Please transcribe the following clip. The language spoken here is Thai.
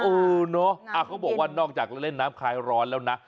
เนอะเขาบอกว่านอกจากเล่นน้ำคลายร้อนแล้วนะ